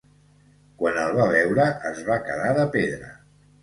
Quan el va veure es va quedar de pedra.